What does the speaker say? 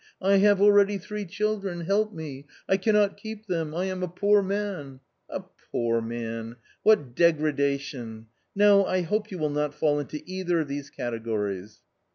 "' I have already three children, help me, I cannot keep them, I am a poor man '.... a poor man ! what degradation ! no, I hope you will not fall into either of these categories."